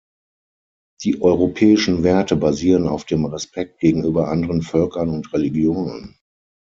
Die europäischen Werte basieren auf dem Respekt gegenüber anderen Völkern und Religionen.